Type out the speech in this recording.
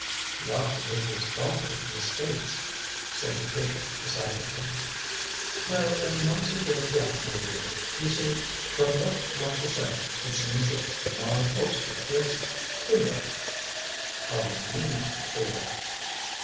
"He ought to give his daughter the estates," said Patricia decidedly. "Well, I am not so sure of that, my dear. You see, from what Martha said, it seems that Mara Colpster is queer." "How do you mean 'queer'?"